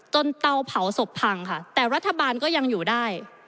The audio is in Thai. เตาเผาศพพังค่ะแต่รัฐบาลก็ยังอยู่ได้